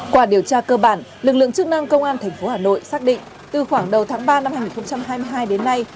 qua điều tra cơ bản lực lượng chức năng công an tp hà nội xác định từ khoảng đầu tháng ba năm hai nghìn hai mươi hai đến nay